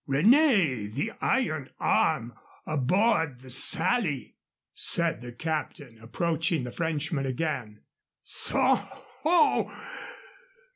René the Iron Arm aboard the Sally?" said the captain, approaching the Frenchman again. "Soho!